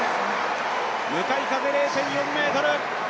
向かい風０．４メートル。